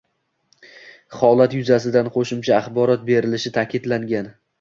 Holat yuzasidan qo‘shimcha axborot berilishi ta’kidlangan